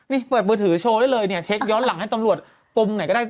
นี่เปิดมือถือโชว์ได้เลยเนี่ยเช็คย้อนหลังให้ตำรวจปมไหนก็ได้